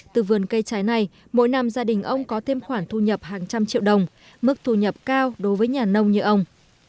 từ vườn cây trái này mỗi năm gia đình ông có thêm khoản thu nhập hàng trăm triệu đồng mức thu nhập cao đối với nhà nông như ông